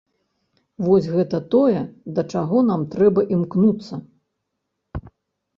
Вось гэта тое, да чаго нам трэба імкнуцца.